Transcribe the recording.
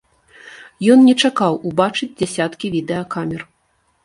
Ён не чакаў убачыць дзясяткі відэакамер.